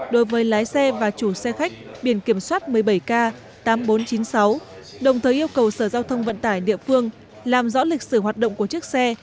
đối với lái xe và chủ xe khách biển kiểm soát một mươi bảy k tám nghìn bốn trăm chín mươi sáu đồng thời yêu cầu sở giao thông vận tải địa phương làm rõ lịch sử hoạt động của chiếc xe